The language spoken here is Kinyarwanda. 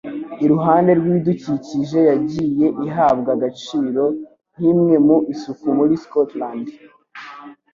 iruhande rw'ibidukikije yagiye ihabwa agaciro nkimwe mu isuku muri Scotland